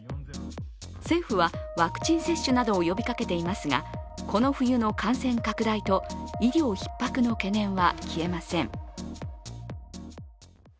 政府はワクチン接種などを呼びかけていますが、この冬の感染拡大と医療ひっ迫の懸念は消えません。